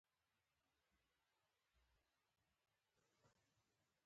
د پانګې مقدار راکمیږي.